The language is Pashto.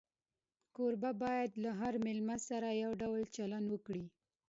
کوربه باید له هر مېلمه سره یو ډول چلند وکړي.